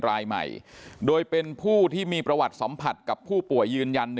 รายใหม่โดยเป็นผู้ที่มีประวัติสัมผัสกับผู้ป่วยยืนยัน